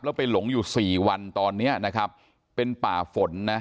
แล้วไปหลงอยู่สี่วันตอนเนี้ยนะครับเป็นป่าฝนนะ